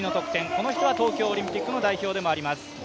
この人は東京オリンピックのメンバーでもあります。